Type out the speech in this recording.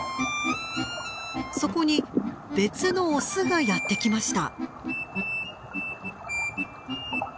そこに別のオスがやって来ました。